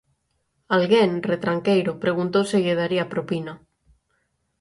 Alguén, retranqueiro, preguntou se lle daría propina.